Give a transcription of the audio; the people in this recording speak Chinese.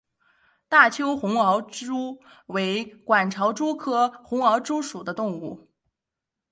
大邱红螯蛛为管巢蛛科红螯蛛属的动物。